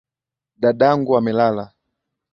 Dadangu amelala.